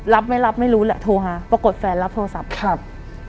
รับไม่รับไม่รู้แหละโทรหาปรากฏแฟนรับโทรศัพท์ครับ